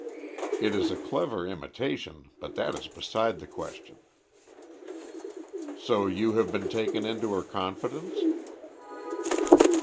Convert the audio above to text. It is a clever imitation, but that is beside the question." "So you have been taken into her confidence?"